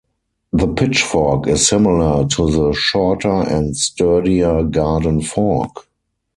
The pitchfork is similar to the shorter and sturdier garden fork.